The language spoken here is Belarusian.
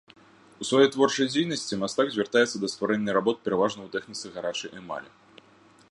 У сваёй творчай дзейнасці мастак звяртаецца да стварэння работ пераважна у тэхніцы гарачай эмалі.